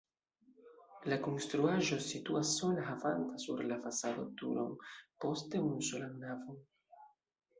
La konstruaĵo situas sola havanta sur la fasado turon, poste unusolan navon.